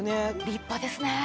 立派ですね。